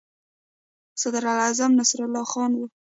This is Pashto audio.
صدراعظم نصرالله خان وو.